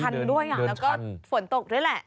ชันด้วยอ่ะแล้วก็ฝนตกด้วยแหละ